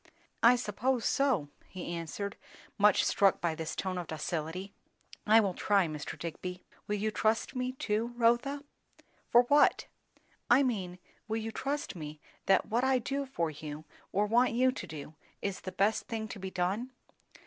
"I suppose so," he answered, much struck by this tone of docility. "I will try, Mr. Digby." "Will you trust me too, Rotha?" "For what?" "I mean, will you trust me that what I do for you, or want you to do, is the best thing to be done?"